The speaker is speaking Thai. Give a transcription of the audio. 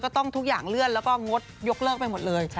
ต้องทุกอย่างเลื่อนแล้วก็งดยกเลิกไปหมดเลย